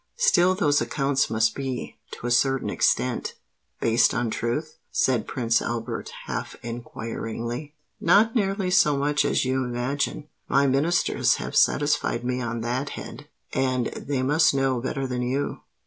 "Still those accounts must be, to a certain extent, based on truth?" said Prince Albert, half inquiringly. "Not nearly so much as you imagine. My Ministers have satisfied me on that head; and they must know better than you.